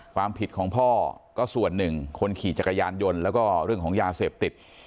ความผิดของพ่อก็ส่วนหนึ่งคนขี่จักรยานยนต์แล้วก็เรื่องของยาเสพติด